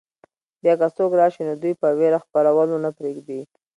بیا که څوک راشي نو دوی په وېره خپرولو نه پرېږدي.